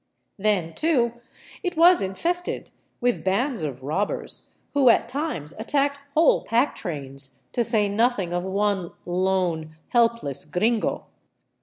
Then, too, it was in fested with bands of robbers who at times attacked whole pack trains, to say nothing of one lone, helpless gringo.